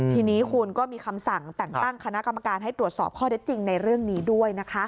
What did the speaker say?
ทีนี้คุณก็มีคำสั่งแต่งตั้งคณะกรรมการให้ตรวจสอบข้อเท็จจริงในเรื่องนี้ด้วยนะคะ